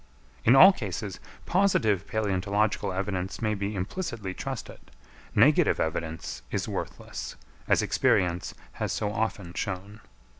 In all cases positive palæontological evidence may be implicitly trusted; negative evidence is worthless, as experience has so often shown.